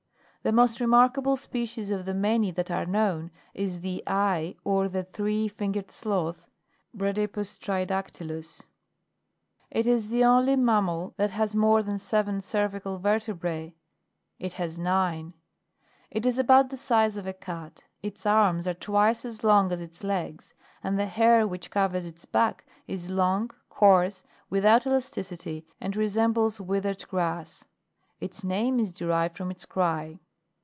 The most remarkable species of the many that are known, is the *#/, or the Three Fingered Sloth, Bradypus Tridactylus, (Plate &,fig> 1.) It is the only mammal that has more than seven cervical vertebrae ; it has nine. It is about the size of a cat, its arms are twice as long as its legs, and the hair which covers its back is long, coarse, without elasticity, and resembles withered grass. Its name is derived from its cry.